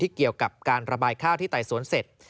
เกี่ยวกับการระบายข้าวที่ไต่สวนเสร็จ